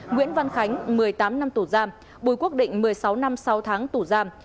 nguyễn văn khánh một mươi tám năm tù giam bùi quốc định một mươi sáu năm sáu tháng tù giam